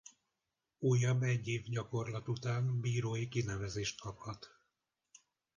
Újabb egy év gyakorlat után bírói kinevezést kaphat.